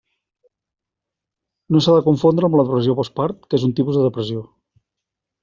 No s'ha de confondre amb la depressió postpart, que és un tipus de depressió.